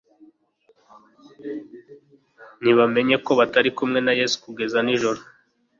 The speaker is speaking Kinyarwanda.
ntibamenya ko batari kumwe na Yesu kugeza ninjoro